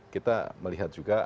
kita melihat juga